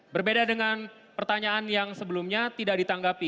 berbeda dengan pertanyaan yang sebelumnya tidak ditanggapi